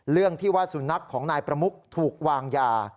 เรื่องที่ว่าสุนัขของนายประมุกถูกวางยา